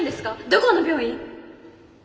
どこの病院？